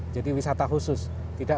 jadi wisata khusus tidak